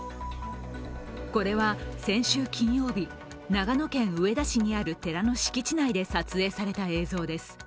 これは先週金曜日長野県上田市にある寺の敷地内で撮影された映像です。